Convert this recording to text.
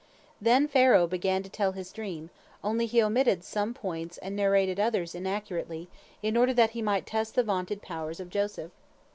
" Then Pharaoh began to tell his dream, only he omitted some points and narrated others inaccurately in order that he might test the vaunted powers of Joseph.